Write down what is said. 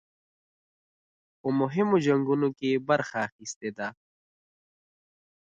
په مهمو جنګونو کې یې برخه اخیستې ده.